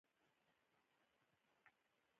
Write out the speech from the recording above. ګرګين وويل: نو څه وايې؟